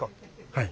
はい。